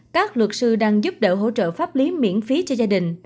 các luật sư đang giúp đỡ hỗ trợ pháp lý miễn phí cho gia đình